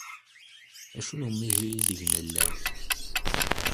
Acu n umihi ideg nella?